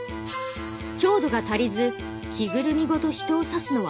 強度が足りず着ぐるみごと人を刺すのは不可能だ。